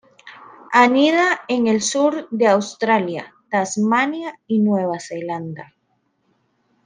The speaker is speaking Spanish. Anida en el sur de Australia, Tasmania y Nueva Zelanda